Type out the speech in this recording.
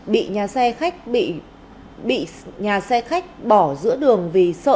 bị nhà xe khách bỏ giữa đường vì sợ là sẽ bị đánh